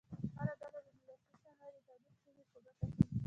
هره ډله دې د لاسي صنایعو د تولید سیمې په ګوته کړي.